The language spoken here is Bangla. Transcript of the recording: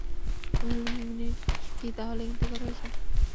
আমীরুল মুমিনীন কি তাহলে ইন্তেকাল করেছেন?